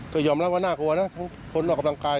ก็ยอมรับว่าน่ากลัวนะทั้งคนออกกำลังกาย